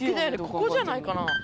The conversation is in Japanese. ここじゃないかな？